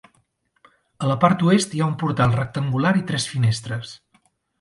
A la part oest hi ha un portal rectangular i tres finestres.